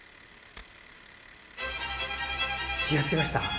気が付きました？